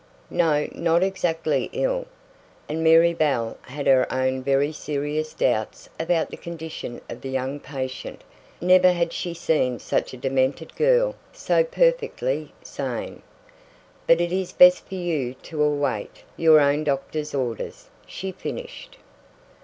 "No, not exactly ill," and Mary Bell had her own very serious doubts about the condition of the young patient never had she seen a demented girl so perfectly sane. "But it is best for you to await your own doctor's orders," she finished.